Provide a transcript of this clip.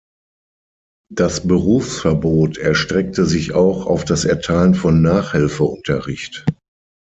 Das Berufsverbot erstreckte sich auch auf das Erteilen von Nachhilfeunterricht.